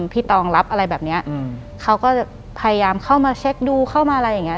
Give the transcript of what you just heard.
หลังจากนั้นเราไม่ได้คุยกันนะคะเดินเข้าบ้านอืม